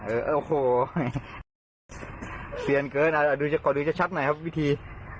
เออโอ้โหเสี่ยงเกินอ่ะดูก่อนดูจะชัดหน่อยครับวิธี